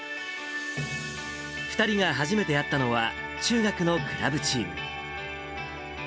２人が初めて会ったのは、中学のクラブチーム。